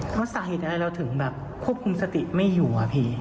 เพราะสาเหตุอะไรเราถึงแบบควบคุมสติไม่อยู่อะพี่